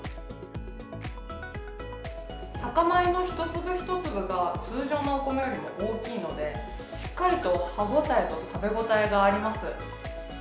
酒米の一粒一粒が通常のお米よりも大きいので、しっかりと歯応えと食べ応えがあります。